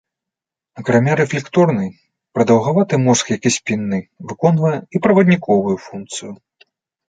Акрамя рэфлекторнай, прадаўгаваты мозг, як і спінны, выконвае і правадніковую функцыю.